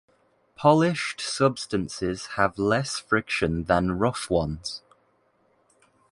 Polished substances have less friction than rough ones.